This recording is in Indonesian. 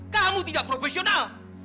kamu tidak profesional